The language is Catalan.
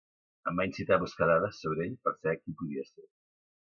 Em va incitar a buscar dades sobre ell per saber qui podia ser.